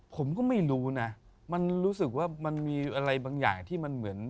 ผมก็ไม่รู้นะมันรู้สึกว่ามันมีอะไรบางอย่างที่มันเหมือน